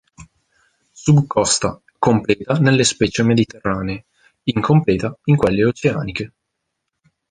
Subcosta completa nelle specie mediterranee, incompleta in quelle oceaniche.